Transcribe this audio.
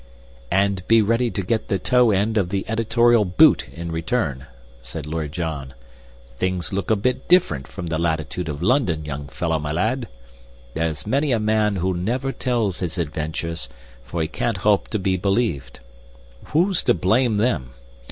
"And be ready to get the toe end of the editorial boot in return," said Lord John. "Things look a bit different from the latitude of London, young fellah my lad. There's many a man who never tells his adventures, for he can't hope to be believed. Who's to blame them?